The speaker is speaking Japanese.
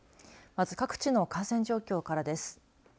まず、各地の感染状況からです。